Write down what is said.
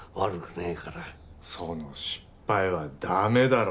その失敗は駄目だろ。